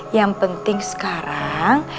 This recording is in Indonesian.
yang penting sekarang